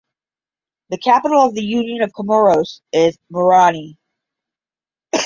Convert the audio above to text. The capital of the Union of Comoros is Moroni.